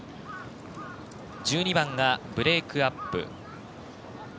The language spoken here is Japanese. １２番ブレークアップ。